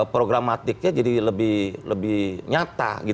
programatiknya jadi lebih nyata